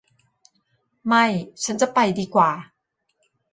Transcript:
ไม่ฉันจะไปดีกว่า